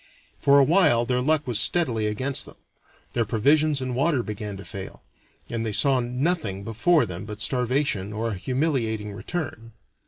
For a while their luck was steadily against them; their provisions and water began to fail, and they saw nothing before them but starvation or a humiliating return.